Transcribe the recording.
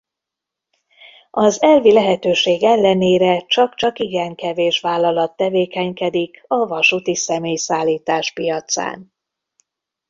Az elvi lehetőség ellenére csak csak igen kevés vállalat tevékenykedik a vasúti személyszállítás piacán.